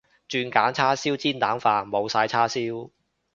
轉揀叉燒煎蛋飯，冇晒叉燒